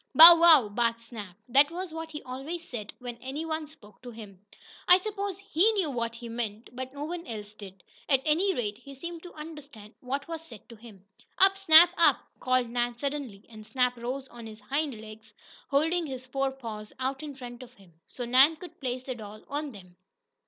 "Bow wow!" barked Snap. That was what he always said when any one spoke to him. I suppose HE knew what he meant, but no one else did. At any rate, he seemed to understand what was said to him. "Up, Snap! Up!" called Nan suddenly, and Snap rose on his hind legs, holding his fore paws out in front of him, so Nan could place the doll on them.